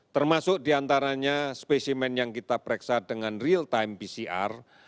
termasuk diantaranya spesimen yang kita pereksa dengan real time pcr